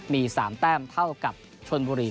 มี๓แต้มเท่ากับชนบุรี